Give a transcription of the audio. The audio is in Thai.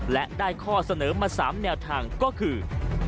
และได้ข้อเสนอมา๓แนวทางก็คือ